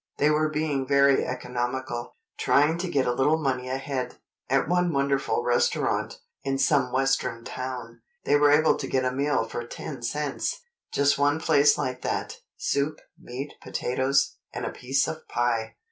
They were being very economical, trying to get a little money ahead. At one wonderful restaurant—in some Western town—they were able to get a meal for ten cents! Just one place like that: soup, meat, potatoes, and a piece of pie!